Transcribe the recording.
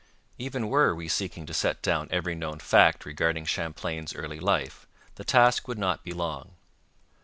Even were we seeking to set down every known fact regarding Champlain's early life the task would not be long.